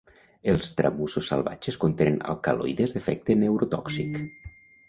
Els tramussos salvatges contenen alcaloides d'efecte neurotòxic.